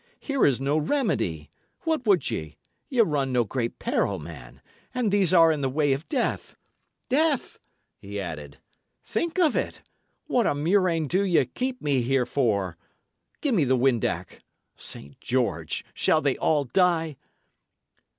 "Here is no remedy. What would ye? Ye run no great peril, man; and these are in the way of death. Death!" he added. "Think of it! What a murrain do ye keep me here for? Give me the windac. Saint George! shall they all die?"